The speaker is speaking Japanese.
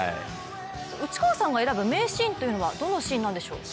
内川さんが選ぶ名シーンというのはどのシーンなんでしょう？